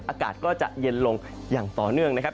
อากาศก็จะเย็นลงอย่างต่อเนื่องนะครับ